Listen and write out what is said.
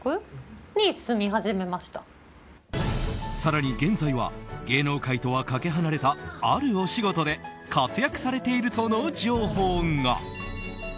更に、現在は芸能界とはかけ離れたあるお仕事で活躍されているとの情報が。